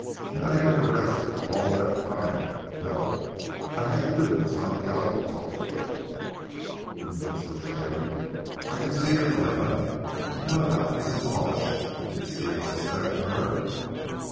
Had I been arrested, all would have come out. No! I had to do what Santiago told me." "Humph!" said Jim, "I can see your dilemma. And what about Mrs. Marsh? Did Stephen suspect her?"